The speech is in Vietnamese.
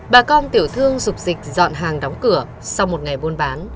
bà con tiểu thương sụp dịch dọn hàng đóng cửa sau một ngày buôn bán